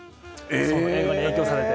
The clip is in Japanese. その映画に影響されて。